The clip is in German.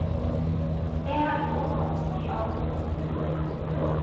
Wer hat Druck auf Sie ausgeübt?